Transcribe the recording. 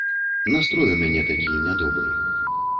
Настрой у мяне такі нядобры.